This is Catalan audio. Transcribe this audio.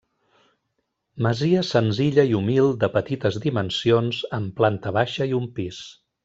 Masia senzilla i humil, de petites dimensions, amb planta baixa i un pis.